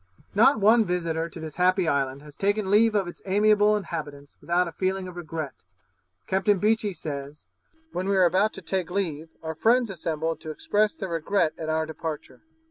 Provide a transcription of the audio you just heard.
Not one visitor to this happy island has taken leave of its amiable inhabitants without a feeling of regret. Captain Beechey says, 'When we were about to take leave, our friends assembled to express their regret at our departure.